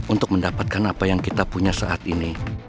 untuk mendapatkan apa yang kita punya saat ini